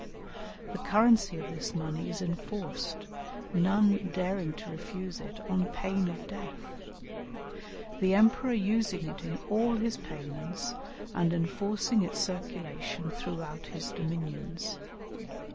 The currency of this money is enforced, none daring to refuse it "on pain of death;" the emperor using it in all his payments, and enforcing its circulation throughout his dominions.